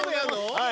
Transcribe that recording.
はい。